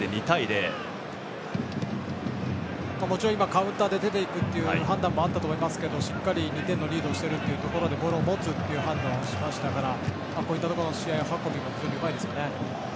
カウンターで出ていくという判断もあったと思いますけどしっかり２点のリードをしているってところでボールを持つ判断ができたのでこういった試合運びも非常にうまいですよね。